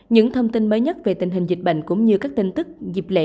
những thông tin mới nhất về tình hình dịch bệnh cũng như các tin tức dịp lễ